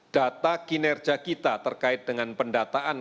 data kinerja kita terkait dengan pendataan